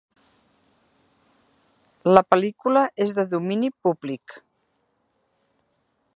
La pel·lícula és de domini públic.